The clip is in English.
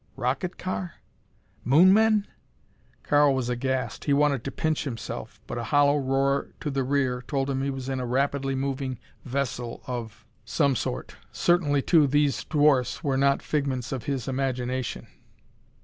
"Rocket car? Moon men?" Karl was aghast. He wanted to pinch himself. But a hollow roar to the rear told him he was in a rapidly moving vessel of some sort. Certainly, too, these dwarfs were not figments of his imagination.